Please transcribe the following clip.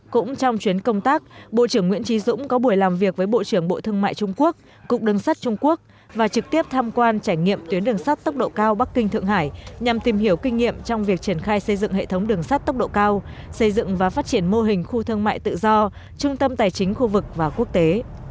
cũng trong chuyến công tác bộ trưởng nguyễn trí dũng có buổi làm việc với bộ trưởng bộ thương mại trung quốc cục đường sắt trung quốc và trực tiếp tham quan trải nghiệm tuyến đường sắt tốc độ cao bắc kinh thượng hải nhằm tìm hiểu kinh nghiệm trong việc triển khai xây dựng hệ thống đường sắt tốc độ cao xây dựng và phát triển mô hình khu thương mại tự do trung tâm tài chính khu vực và quốc tế